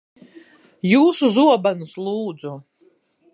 Jūsu zobenus, lūdzu.